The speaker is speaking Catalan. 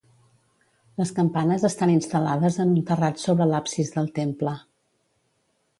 Les campanes estan instal·lades en un terrat sobre l'absis del temple.